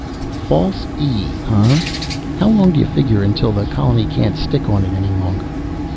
"False E, huh? How long do you figure until the colony can't stick on it any longer?"